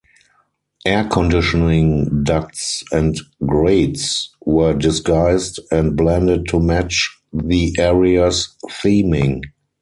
Air conditioning ducts and grates were disguised and blended to match the area's theming.